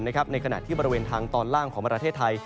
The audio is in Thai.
ในขณะที่บริเวณทางตอนล่างของประเทศไทย